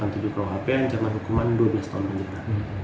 yang mencernakan hukuman dua belas tahun penjara